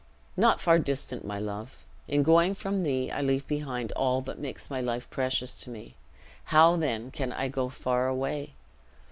"Not far distant, my love. In going from thee, I leave behind all that makes my life precious to me; how then can I go far away?